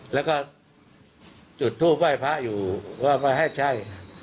แล้วก็จุดทูปไหว้พระอยู่ว่าไม่ให้ใช่